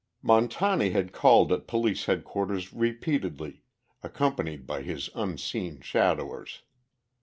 Montani had called at Police Headquarters repeatedly, accompanied by his unseen shadowers.